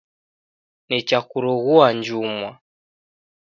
Nicha kuroghua njumwa.